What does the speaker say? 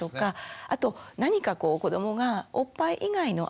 あと何かこう子どもがおっぱい以外の安心材料